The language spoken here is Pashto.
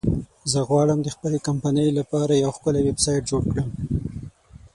زه غواړم د خپلې کمپنی لپاره یو ښکلی ویبسایټ جوړ کړم